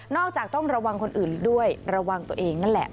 จากต้องระวังคนอื่นด้วยระวังตัวเองนั่นแหละ